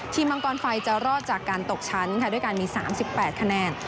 มังกรไฟจะรอดจากการตกชั้นค่ะด้วยการมี๓๘คะแนน